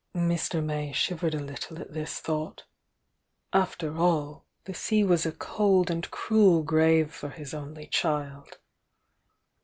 Mr. May shiv ered a little at this thought,— after all, the sea was a cold and cruel grave for his only child!